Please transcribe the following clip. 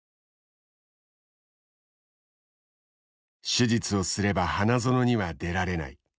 手術をすれば花園には出られない。